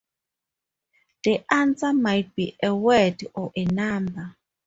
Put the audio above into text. The answer might be a word or a number.